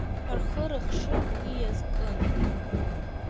Рхы-рыхшыҩ уи иазкын.